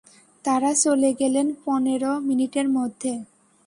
তাঁরা চলে গেলেন পনের মিনিটের মধ্যে।